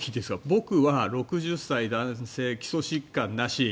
僕は６０歳、男性基礎疾患なし。